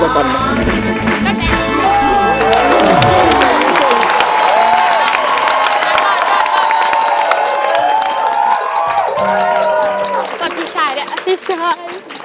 พี่ตอนพี่ชายเลยพี่ชาย